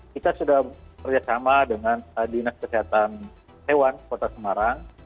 kita sudah kerjasama dengan dinas kesehatan hewan kota semarang